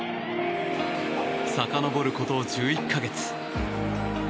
さかのぼること１１か月。